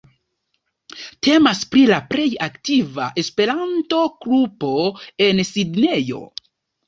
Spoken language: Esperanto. Temas pri la plej aktiva Esperanto-grupo en Sidnejo.